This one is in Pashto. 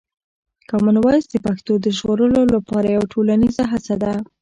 کامن وایس د پښتو د ژغورلو لپاره یوه ټولنیزه هڅه ده.